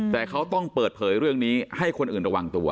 แต่เขาต้องเปิดเผยเรื่องนี้ให้คนอื่นระวังตัว